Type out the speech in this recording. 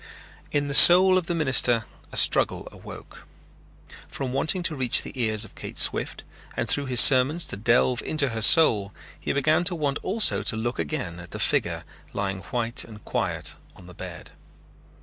In the soul of the minister a struggle awoke. From wanting to reach the ears of Kate Swift, and through his sermons to delve into her soul, he began to want also to look again at the figure lying white and quiet in the bed.